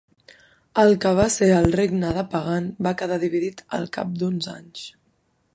El que va ser el Regne de Pagan va quedar dividit al cap d'uns anys.